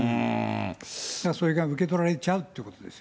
だからそれが受け取られちゃうっていうことですよね。